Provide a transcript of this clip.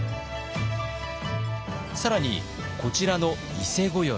更にこちらの伊勢暦。